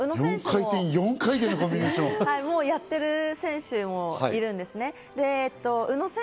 もうやっている選手もいるんですね。